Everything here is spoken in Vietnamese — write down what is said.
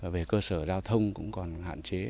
về cơ sở giao thông cũng còn hạn chế